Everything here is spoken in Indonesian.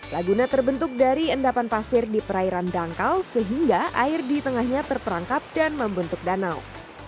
laguna terbentuk dari endapan pasir di perairan dangkal sehingga air di tengahnya terperangkap dan membentuk danau